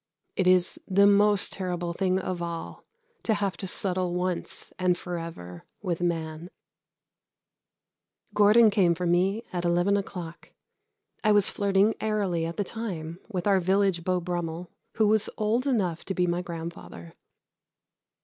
It is the most terrible thing of all to have to settle once and forever with man. Gordon came for me at eleven o'clock. I was flirting airily at the time with our village Beau Brummel, who was old enough to be my grandfather.